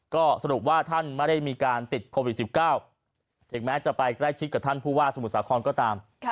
ก็สรุปว่าท่านไม่ได้มีการติดโควิด๑๙ถึงแม้จะไปใกล้ชิดกับท่านผู้ว่าสมุทรสาครก็ตาม